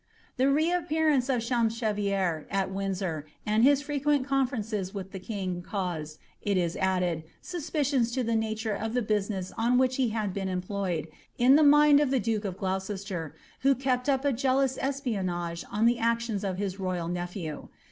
The rt^^ppearance of Chanipchevri^r at WindsDr, and his runferencet with the king, cauned. it is added, BUipicions lure of the biitriiicsB on which ho had been employed, in the mmd ff the duke of Gloucrster, who kept up a j>«lou8 egpionage on the actioniw' his myal nephpw.